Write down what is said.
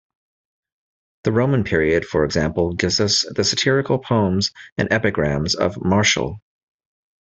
The Roman period, for example, gives us the satirical poems and epigrams of Martial.